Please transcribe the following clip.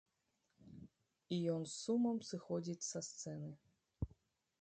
І ён з сумам сыходзіць са сцэны.